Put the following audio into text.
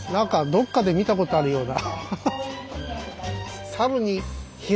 どっかで聞いたことあるような。